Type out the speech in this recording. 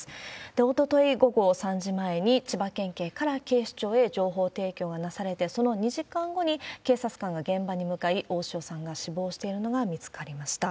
おととい午後３時前に、千葉県警から警視庁へ情報提供がなされて、その２時間後に警察官が現場に向かい、大塩さんが死亡しているのが見つかりました。